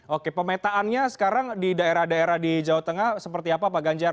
oke pemetaannya sekarang di daerah daerah di jawa tengah seperti apa pak ganjar